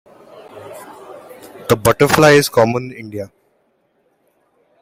The butterfly is common in India.